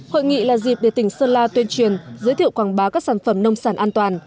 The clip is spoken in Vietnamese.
hội nghị là dịp để tỉnh sơn la tuyên truyền giới thiệu quảng bá các sản phẩm nông sản an toàn